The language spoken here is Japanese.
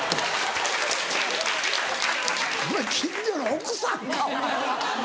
お前近所の奥さんかお前はなぁ。